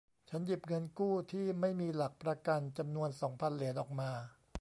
ฉันหยิบเงินกู้ที่ไม่มีหลักประกันจำนวนสองพันเหรียญออกมา